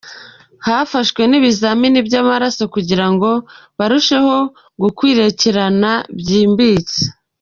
Hafashwe n’ibizamini by’amaraso kugira ngo barusheho gukurikirana byimbitse.